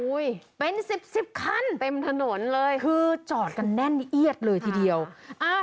เป็นสิบสิบคันเต็มถนนเลยคือจอดกันแน่นเอียดเลยทีเดียวอ่า